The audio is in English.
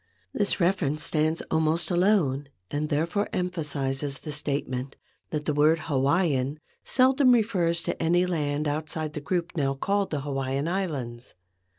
This reference stands almost alone, and therefore empha¬ sizes the statement that the word Hawaiian seldom refers to any land outside the group now called the Hawaiian Islands.